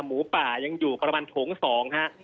หมูป่ายังอยู่ประมาณโถง๒ฮะ